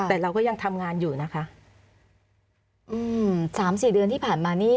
แต่เราก็ยังทำงานอยู่นะคะอืมสามสี่เดือนที่ผ่านมานี่